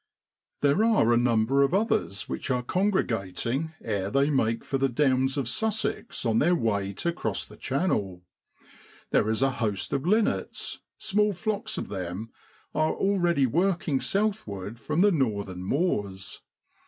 There are a number of others which are congregating ere they make for the downs of Sussex on their way to cross the Channel. There is a host of linnets ; small flocks of them are already working southward from the northern moors.